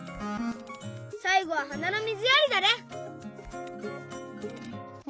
さいごははなのみずやりだね！